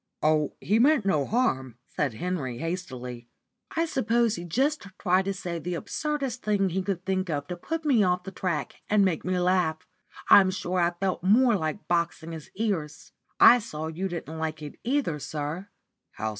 "Oh, he meant no harm," said Henry, hastily. "I suppose he just tried to say the absurdest thing he could think of to put me off the track and make me laugh. I'm sure I felt more like boxing his ears. I saw you didn't like it either, sir."